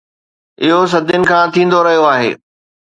اهو صدين کان ٿيندو رهيو آهي